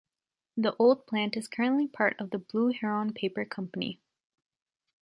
The old plant is currently part of the Blue Heron Paper Company.